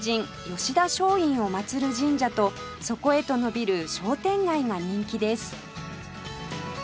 吉田松陰を祭る神社とそこへと延びる商店街が人気です